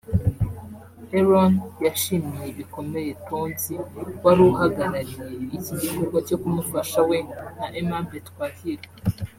Aaron yashimiye bikomeye Tonzi wari uhagarariye iki gikorwa cyo kumufasha we na Aimable Twahirwa